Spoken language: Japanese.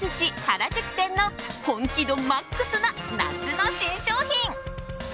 原宿店の本気度マックスな夏の新商品。